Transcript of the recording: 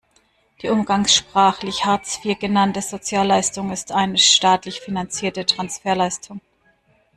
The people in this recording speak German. Die umgangssprachlich Hartz vier genannte Sozialleistung ist eine staatlich finanzierte Transferleistung.